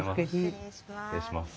失礼します。